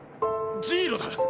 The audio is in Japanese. ジイロだ！